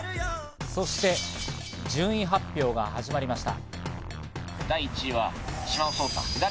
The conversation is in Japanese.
そして順位発表が始まりました。